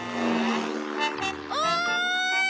おい！